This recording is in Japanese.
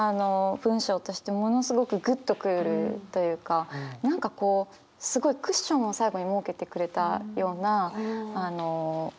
文章としてものすごくグッと来るというか何かすごいクッションを最後に設けてくれたような文章になってて。